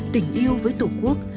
tình yêu với tổ quốc